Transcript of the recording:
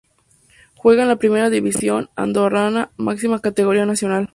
Juega en la Primera División andorrana, máxima categoría nacional.